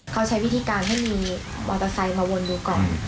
เขาใช้วิธีการให้มีมอเตอร์ไซค์มาวนดูก่อน